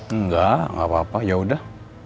enggak enggak apa apa yaudah